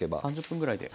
３０分ぐらいで。